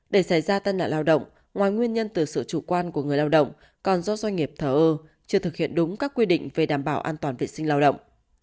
để xảy ra tai nạn lao động ngoài nguyên nhân từ sự chủ quan của người lao động còn do doanh nghiệp thờ ơ chưa thực hiện đúng các quy định về đảm bảo an toàn vệ sinh lao động